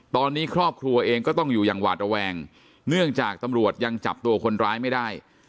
ตอนนี้ครอบครัวเองก็ต้องอยู่อย่างหวาดระแวงเนื่องจากตำรวจยังจับตัวคนร้ายไม่ได้